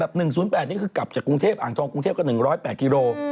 ๑๐๘นี่คือกลับจากกรุงเทพอ่างทองกรุงเทพก็๑๐๘กิโล